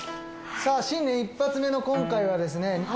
さぁ新年一発目の今回はですね